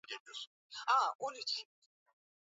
titanic ilizama kwenye bahari ya atlantic